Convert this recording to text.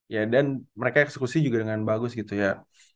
ya dan mereka eksekusi juga dengan bagus gitu ya